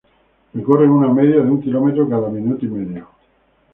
Recorren una media de un kilómetro cada minuto y medio.